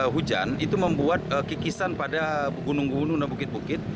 hujan itu membuat kikisan pada gunung gunung dan bukit bukit